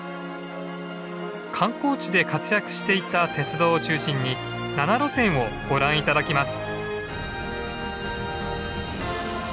観光地で活躍していた鉄道を中心に７路線をご覧頂きます。